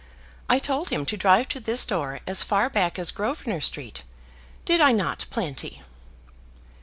I told him to drive to this door, as far back as Grosvenor Street. Did I not, Planty?"